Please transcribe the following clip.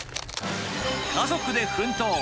家族で奮闘！